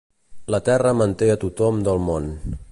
La terra manté a tothom del món.